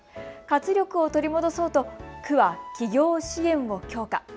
活力を取り戻そうと区は起業支援を強化。